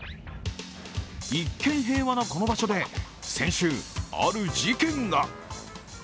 一見平和なこの場所で先週ある事件が。